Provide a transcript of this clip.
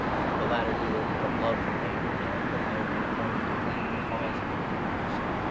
The latter do 16 it from love for me, knowing that I have been appointed to plead the cause of the Good News.